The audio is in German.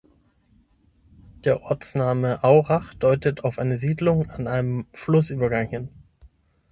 Der Ortsname Aurach deutet auf eine Siedlung an einem Flussübergang hin.